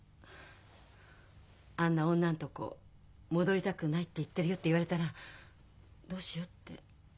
「あんな女のとこ戻りたくないって言ってるよ」って言われたらどうしようって。